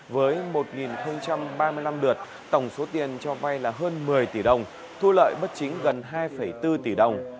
với một ba mươi năm lượt tổng số tiền cho vay là hơn một mươi tỷ đồng thu lợi bất chính gần hai bốn tỷ đồng